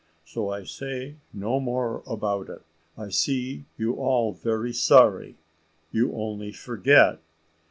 So I say no more bout it; I see you all very sorry you only forget.